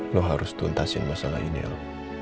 lo harus tuntasin masalah ini lo